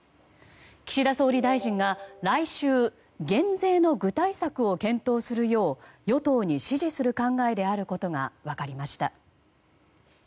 岸田総理大臣が来週減税の具体策を検討するよう与党に指示する考えであることが分かりました。